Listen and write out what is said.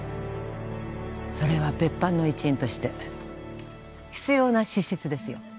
それは別班の一員として必要な資質ですよ